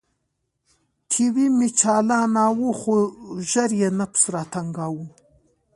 ټي وي مې چالاناوه خو ژر يې نفس راتنګاوه.